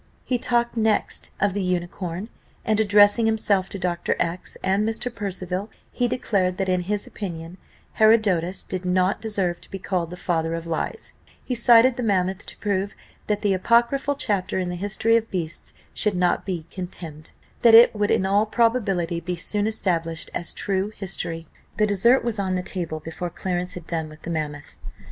He talked next of the unicorn; and addressing himself to Dr. X and Mr. Percival, he declared that in his opinion Herodotus did not deserve to be called the father of lies; he cited the mammoth to prove that the apocryphal chapter in the history of beasts should not be contemned that it would in all probability be soon established as true history. The dessert was on the table before Clarence had done with the mammoth.